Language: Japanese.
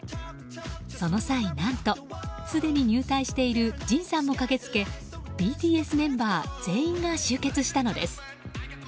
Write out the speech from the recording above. その際、何とすでに入隊しているＪＩＮさんも駆けつけＢＴＳメンバー全員が集結したのです。